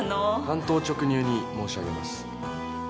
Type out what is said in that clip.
単刀直入に申し上げます。